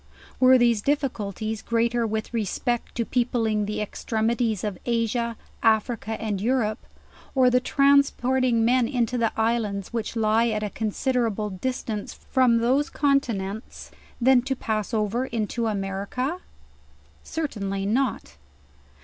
Were these difficulties greater with respect to peopling the extrem ities of Asia, Africa and Europe, or the transporting men into the islands which lie at a considerable distance from those continents, than to pass over into America? Certainly not.